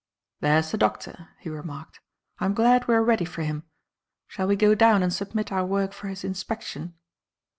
"There's the Doctor," he remarked. "I'm glad we are ready for him. Shall we go down and submit our work for his inspection?"